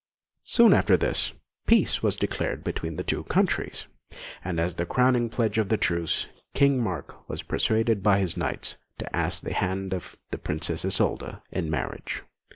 Soon after this, peace was declared between the two countries; and as the crowning pledge of the truce, King Mark was persuaded by his knights to ask the hand of the Princess Isolda in marriage.